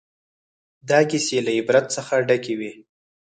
دا کیسې له عبرت څخه ډکې وې.